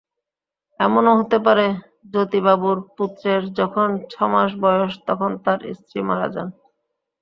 এমনও হতে পারে জ্যোতিবাবুর পুত্রের যখন ছমাস বয়স তখন তাঁর স্ত্রী মারা যান।